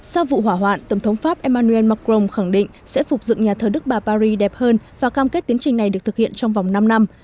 sau vụ hỏa hoạn tổng thống pháp emmanuel macron khẳng định sẽ phục dựng nhà thờ đức bà paris đẹp hơn và cam kết tiến trình này được thực hiện trong vòng năm năm